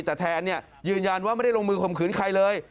แต่แทนยืนยันว่าไม่ได้ลงมือข่มขืนใครเลย